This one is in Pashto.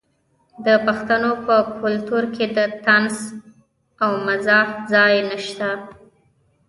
د پښتنو په کلتور کې د طنز او مزاح ځای شته.